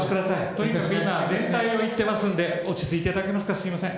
とにかく今、全体をいってますんで、落ち着いていただけますか、すみません。